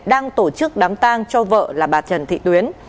đang tổ chức đám tang cho vợ là bà trần thị tuyến